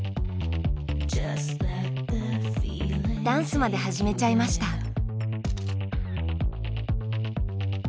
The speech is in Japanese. ダンスまで始めちゃいました。